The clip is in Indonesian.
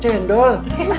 teh rasa cendol